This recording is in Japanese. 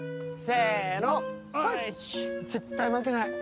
せの絶対負けない。